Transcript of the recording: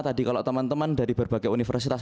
tadi kalau teman teman dari berbagai universitas